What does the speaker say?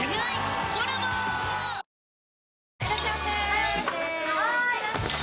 はい！